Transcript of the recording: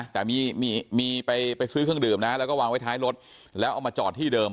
แต่มีไปซื้อเครื่องดื่มนะแล้วก็วางไว้ท้ายรถแล้วเอามาจอดที่เดิม